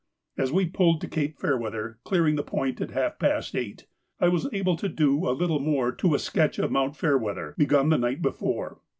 As we pulled to Cape Fairweather, clearing the point at half past eight, I was able to do a little more to a sketch of Mount Fairweather, begun the night before.